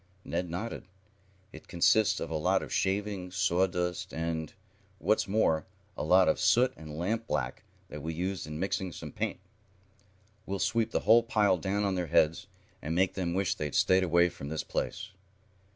Ned nodded. "It consists of a lot of shavings, sawdust and, what's more, a lot of soot and lampblack that we used in mixing some paint. We'll sweep the whole pile down on their heads, and make them wish they'd stayed away from this place."